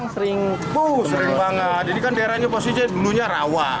sering banget ini kan daerahnya posisi benuhnya rawa